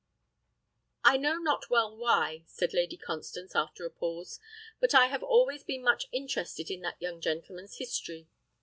"I know not well why," said Lady Constance after a pause; "but I have always been much interested in that young gentleman's history.